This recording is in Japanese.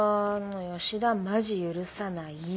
吉田マジ許さない。